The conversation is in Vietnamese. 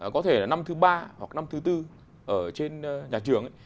có thể là năm thứ ba hoặc năm thứ tư ở trên nhà trường